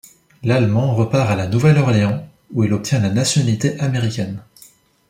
Lallemand repart à La Nouvelle-Orléans, où il obtient la nationalité américaine.